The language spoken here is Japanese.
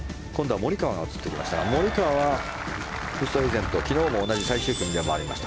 今度はモリカワが映ってきましたがモリカワはウーストヘイゼンと昨日も同じ最終組で回りました。